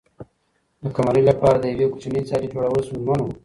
د قمرۍ لپاره د یوې کوچنۍ ځالۍ جوړول ستونزمن و.